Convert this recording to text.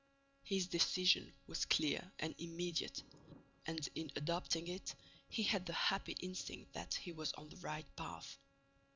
His decision was clear and immediate; and, in adopting it, he had the happy instinct that he was on the right path.